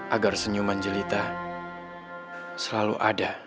agar senyuman jelita selalu ada